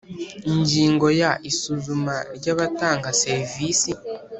Ingingo ya Isuzuma ry abatanga serivisi